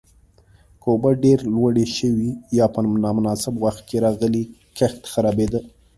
که اوبه ډېره لوړې شوې یا په نامناسب وخت کې راغلې، کښت خرابېده.